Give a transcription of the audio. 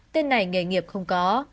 tên này nghề nghiệp không có